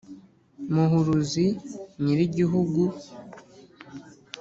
muhuruzi nyir-igihugu